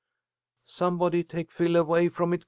"Somebody take Phil away from it!